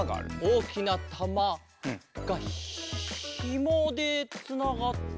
おおきなたまがひもでつながってて。